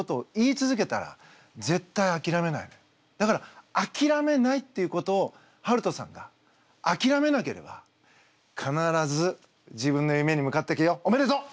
だからあきらめないっていうことをはるとさんがあきらめなければ必ず自分の夢に向かっていくよおめでとう！